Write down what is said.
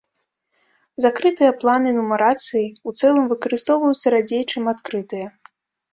Закрытыя планы нумарацыі, у цэлым, выкарыстоўваюцца радзей, чым адкрытыя.